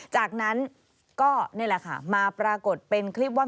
จากนั้นก็นี่แหละค่ะมาปรากฏเป็นคลิปว่า